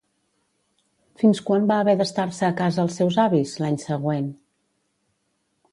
Fins quan va haver d'estar-se a casa els seus avis, l'any següent?